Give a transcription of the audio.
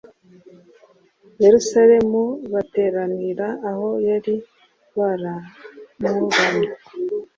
Yerusalemu bateranira aho ari baramuramya